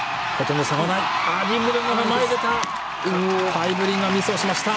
ハイブリンがミスをしました。